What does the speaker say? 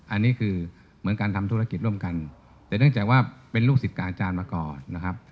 อันนี้คือเหมือนการทำธุรกิจร่วมกันแต่เนื่องจากว่าเป็นลูกศิษย์อาจารย์มาก่อนนะครับ